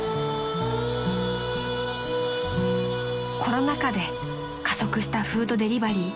［コロナ禍で加速したフードデリバリー］